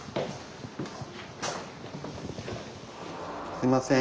すいません。